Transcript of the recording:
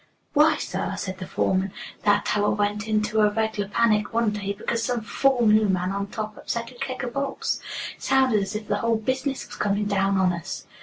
"Why, sir," said the foreman, "that tower went into a reg'lar panic one day because some fool new man on top upset a keg o' bolts. Sounded as if the whole business was coming down on us."